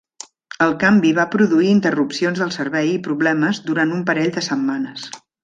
El canvi va produir interrupcions del servei i problemes durant un parell de setmanes.